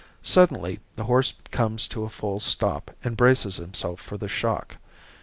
Suddenly the horse comes to a full stop and braces himself for the shock.